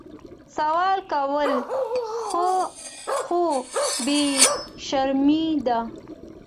سوال کول خو بې شرمي ده